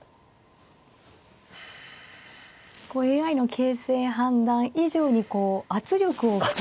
こうＡＩの形勢判断以上にこう圧力を感じる。